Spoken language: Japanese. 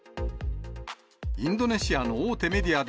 インドネシアの大手メディア